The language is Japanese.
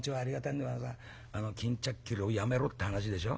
巾着切りをやめろって話でしょ？